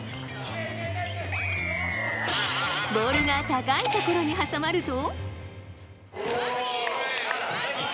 ボールが高いところに挟まると。